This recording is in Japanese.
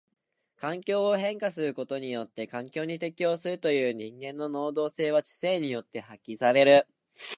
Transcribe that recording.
環境を変化することによって環境に適応するという人間の能動性は知性によって発揮される。